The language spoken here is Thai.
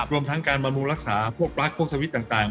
รวมทั้งการบำรุงรักษาพวกปลั๊กพวกสวิตช์ต่าง